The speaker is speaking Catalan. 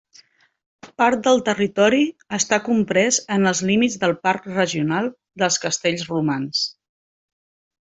Part del territori està comprès en els límits del Parc Regional dels Castells Romans.